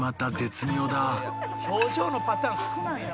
「表情のパターン少ないな」